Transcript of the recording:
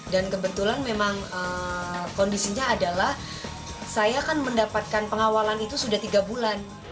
dan kebetulan memang kondisinya adalah saya kan mendapatkan pengawalan itu sudah tiga bulan